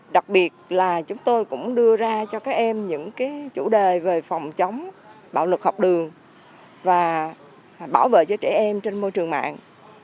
đặc biệt là chúng tôi cũng đưa ra cho các em những chủ đề về phòng chống bạo lực học đường và bảo vệ cho trẻ em trên môi trường mạng